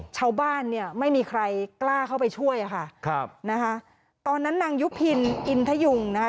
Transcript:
ชาวบ้านเนี่ยไม่มีใครกล้าเข้าไปช่วยอะค่ะครับนะคะตอนนั้นนางยุพินอินทยุงนะคะ